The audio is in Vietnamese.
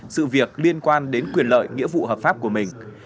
sự việc liên quan đến quyền lợi nghĩa vụ hợp pháp của mình